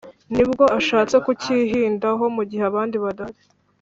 ni bwo ashatse kukihindaho mu gihe abandi badahari.